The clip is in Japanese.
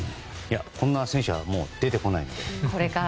こんな選手はもう出てこないので。